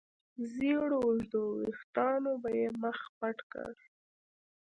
زېړو اوږدو وېښتانو به يې مخ پټ کړ.